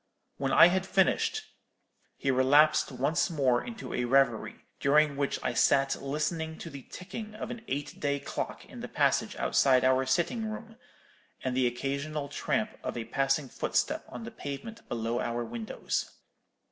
When I had finished, he relapsed once more into a reverie, during which I sat listening to the ticking of an eight day clock in the passage outside our sitting room, and the occasional tramp of a passing footstep on the pavement below our windows.